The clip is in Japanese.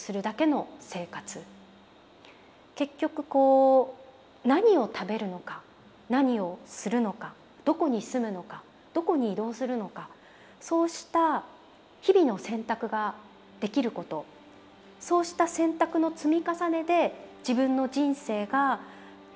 結局こう何を食べるのか何をするのかどこに住むのかどこに移動するのかそうした日々の選択ができることそうした選択の積み重ねで自分の人生が成り立っている。